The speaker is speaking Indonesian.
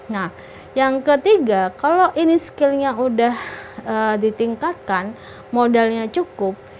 nah yang ketiga kalau ini skillnya sudah ditingkatkan modalnya cukup